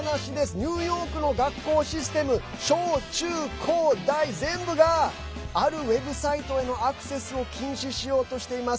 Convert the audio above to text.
ニューヨークの学校システム小、中、高、大、全部があるウェブサイトへのアクセスを禁止しようとしています。